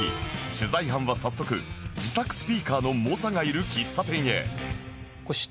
取材班は早速自作スピーカーの猛者がいる喫茶店へ